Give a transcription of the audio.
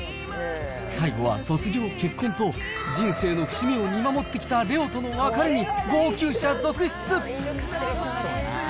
最後は卒業、結婚と、人生の節目を見守ってきたレオとの別れに、号泣者続出。